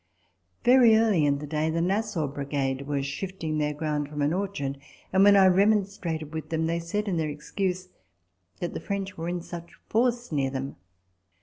Very early in the day the Nassau Brigade were shifting their ground from an orchard ; and when I remonstrated with them, they said in their excuse that the French were in such force near them.